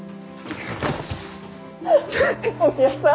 野宮さん！